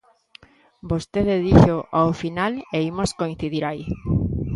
Vostede díxoo ao final e imos coincidir aí.